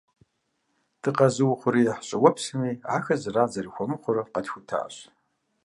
Дыкъэзыухъуреихь щIыуэпсми ахэр зэран зэрыхуэмыхъур къэтхутащ